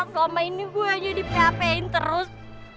selama ini gue aja di pap in terus